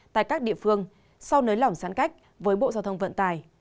tại các địa phương sau nới lỏng giãn cách với bộ giao thông vận tải